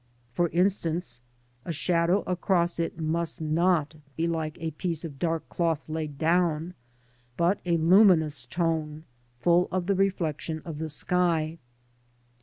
For instance, a shadow across it must not be like a piece of dark cloth laid down, but a luminous tone full of the reflection of the sky.